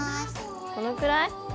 このくらい？